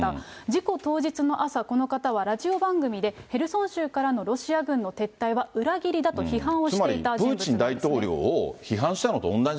事故当日の朝、この方はラジオ番組で、ヘルソン州からのロシア軍の撤退は裏切りだと批判をしていた人物つまり、プーチン大統領を批